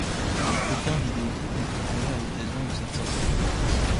Aucun vidéo clip ne fut tourné à l'occasion de cette sortie.